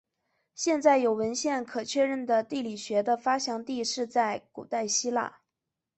现在有文献可确认的地理学的发祥地是在古代希腊。